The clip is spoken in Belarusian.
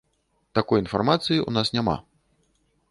Такой інфармацыі ў нас няма.